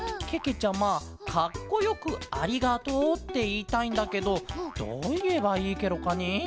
ちゃまかっこよく「ありがとう」っていいたいんだけどどういえばいいケロかねえ？